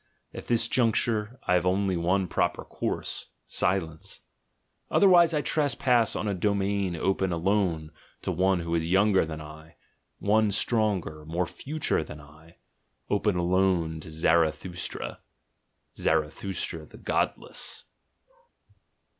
At this juncture I have only one proper course, silence: otherwise I trespass on a domain open alone to one who is younger than I, one stronger, more "future" than I — open alone to ZaratJmstra, Zarathustra the godless.